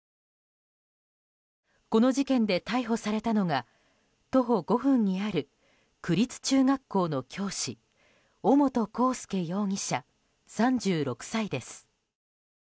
この事件で逮捕されたのが徒歩５分にある区立中学校の教師尾本幸祐容疑者、３６歳です。